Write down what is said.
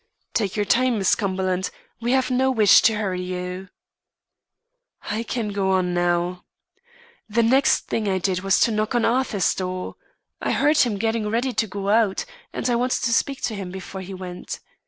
"Take your time, Miss Cumberland; we have no wish to hurry you." "I can go on now. The next thing I did was to knock at Arthur's door. I heard him getting ready to go out, and I wanted to speak to him before he went.